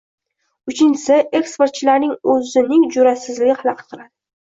Uchinchisi, eksportchilarning o‘zining jur’atsizligi xalaqit qiladi.